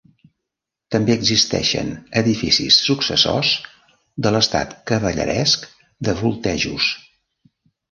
També existeixen edificis successors de l'estat cavalleresc de Vultejus.